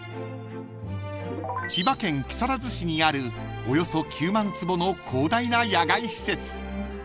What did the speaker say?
［千葉県木更津市にあるおよそ９万坪の広大な野外施設］